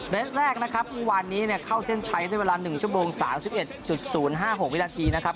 แรกนะครับเมื่อวานนี้เข้าเส้นชัยด้วยเวลา๑ชั่วโมง๓๑๐๕๖วินาทีนะครับ